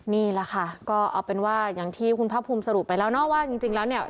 นี่ล่ะค่ะก็เอาเป็นว่าการที่คุณภาพภูมิสรุปไปแล้ว